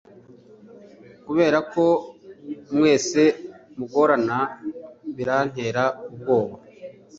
Kuberako mwese mugorana birantera ubwoba